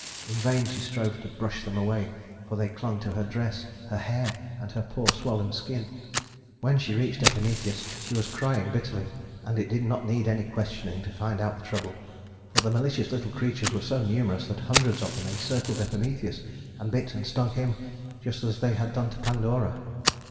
In vain she strove to brush them away, for they clung to her dress, her hair, and her poor swollen skin. When she reached Epimetheus she was crying bitterly, and it did not need any questioning to find out the trouble, for the malicious little creatures were so numerous that hundreds of them encircled Epimetheus, and bit and stung him, just as they had done to Pandora.